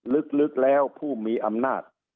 ลึกแล้วผู้มีอำนาจ